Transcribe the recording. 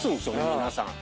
皆さん。